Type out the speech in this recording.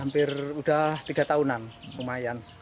hampir udah tiga tahunan lumayan